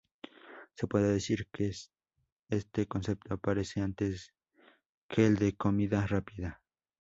Se puede decir que este concepto aparece antes que el de comida rápida.